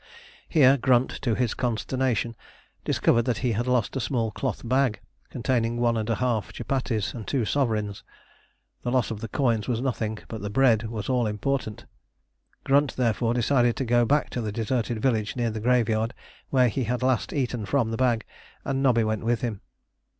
Here Grunt, to his consternation, discovered that he had lost a small cloth bag containing one and a half chupatties and two sovereigns. The loss of the coins was nothing, but the bread was all important. Grunt therefore decided to go back to the deserted village near the graveyard, where he had last eaten from the bag, and Nobby went with him.